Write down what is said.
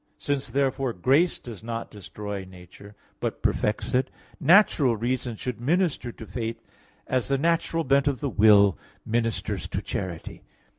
Since therefore grace does not destroy nature but perfects it, natural reason should minister to faith as the natural bent of the will ministers to charity.